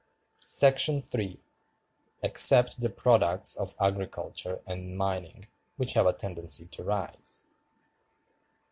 § 3. —except the products of Agriculture and Mining, which have a tendency to Rise.